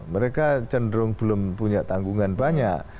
mereka cenderung belum punya tanggungan banyak